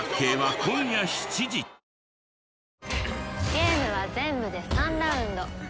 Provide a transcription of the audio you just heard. ゲームは全部で３ラウンド。